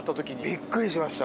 びっくりしました